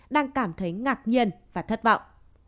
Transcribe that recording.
đang cảm thấy ngạc nhiên và thất vọng